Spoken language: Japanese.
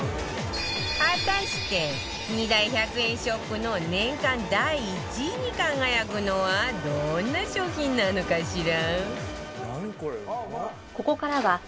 果たして２大１００円ショップの年間第１位に輝くのはどんな商品なのかしら？